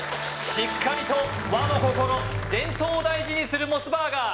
しっかりと和の心伝統を大事にするモスバーガー